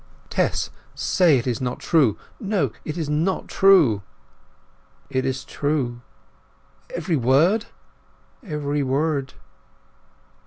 "Tess! Say it is not true! No, it is not true!" "It is true." "Every word?" "Every word."